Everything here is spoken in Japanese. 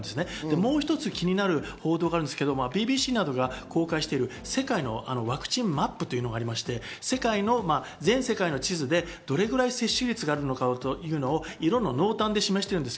もう一つ、気になる報道があって、ＢＢＣなどが公開している世界のワクチンマップというものがありまして、全世界の地図でどれくらい接種率があるのかというのを色の濃淡で示しています。